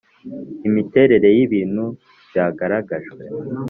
Imiterere y ibintu byagaragajwe